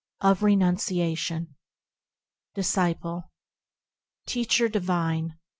4. Of Renunciation Disciple. Teacher divine